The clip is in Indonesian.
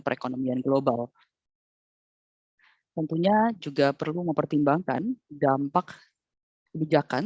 perekonomian global tentunya juga perlu mempertimbangkan dampak kebijakan